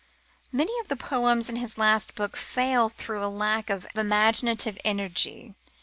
Many of the poems in his last book fail through a lack of imaginative energy.